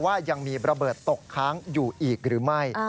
ว่ายังมีระเบิดตกค้างอยู่อีกหรือไม่